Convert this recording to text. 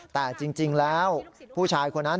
แต่จริงแล้วผู้ชายคนนั้น